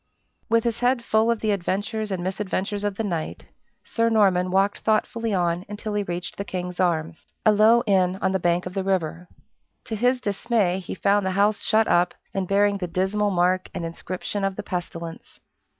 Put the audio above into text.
With his head full of the adventures and misadventures of the night, Sir Norman walked thoughtfully on until he reached the King's Arms a low inn on the bank of the river. To his dismay he found the house shut up, and bearing the dismal mark and inscription of the pestilence.